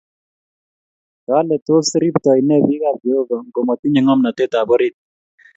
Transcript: Kale tos riptoi ne bik ab Jehovah ngomatinye ngomntatet ab orit?